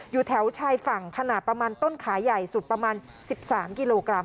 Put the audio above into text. อยู่แถวชายฝั่งขนาดประมาณต้นขาใหญ่สุดประมาณ๑๓กิโลกรัม